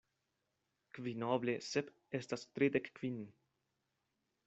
Kvinoble sep estas tridek kvin.